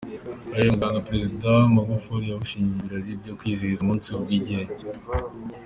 Uyu muganda Perezida Magufuli yawusimbuje ibirori byo kwizihiza umunsi w'ubwigenge.